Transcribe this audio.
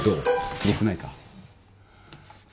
すごくないか？